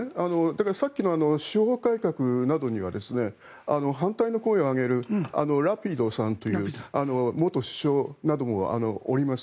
さっきの司法改革などには反対の声を上げるラピドさんという元首相などもいます。